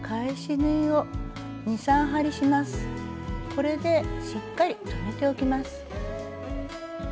これでしっかり留めておきます。